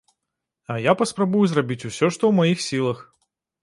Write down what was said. А я паспрабую зрабіць усё, што ў маіх сілах!